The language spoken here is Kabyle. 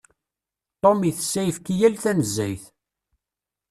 Tom itess ayefki tal tanezzayt.